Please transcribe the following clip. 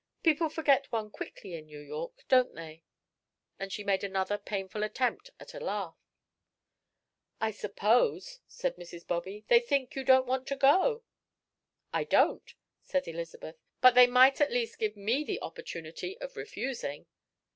People forget one quickly in New York, don't they?" And she made another painful attempt at a laugh. "I suppose," said Mrs. Bobby, "they think you don't want to go." "I don't," said Elizabeth, "but they might at least give me the opportunity of refusing."